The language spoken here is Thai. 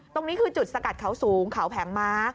ตรงนี้คือจุดสกัดเขาสูงเขาแผงม้า